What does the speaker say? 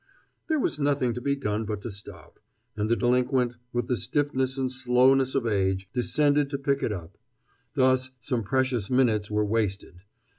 There was nothing to be done but to stop, and the delinquent, with the stiffness and slowness of age, descended to pick it up. Thus some precious minutes were wasted.